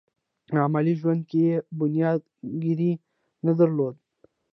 په عملي ژوند کې یې بنياد ګرايي نه درلوده.